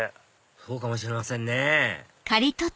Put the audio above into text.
そうかもしれませんね